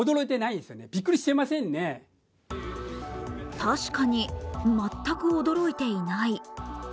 確かに全く驚いていない。